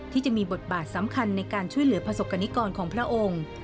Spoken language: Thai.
ที่จะมีบทบาทสำคัญในการช่วยเหลือประสบกรณิกรของพระองค์